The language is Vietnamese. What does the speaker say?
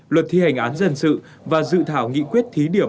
luật thi hành án dân sự và dự thảo nghị quyết thí điểm